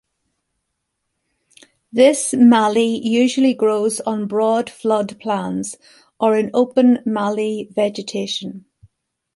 This mallee usually grows on broad floodplains or in open mallee vegetation.